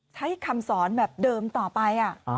ใช้คำสอนแบบเดิมต่อไป